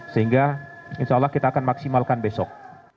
sehingga insya allah kita akan maksimalkan besok